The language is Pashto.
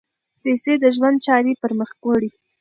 پیسې د ژوند چارې پر مخ وړي.